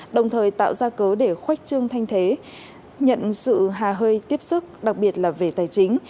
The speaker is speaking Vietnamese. đồng thời tạo ra cấu để khoách trương thanh thế nhận sự hà hơi tiếp xúc đặc biệt là về tài chính